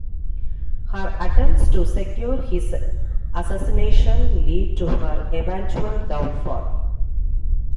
Her attempts to secure his assassination lead to her eventual downfall.